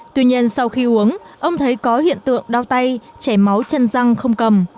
tuy nhiên sau khi uống ông thấy có hiện tượng đau tay chảy máu chân răng không cầm